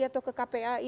atau ke kpai